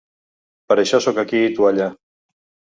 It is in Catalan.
Per això sóc aquí i tu allà!